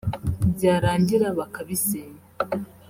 byarangira bakabisenya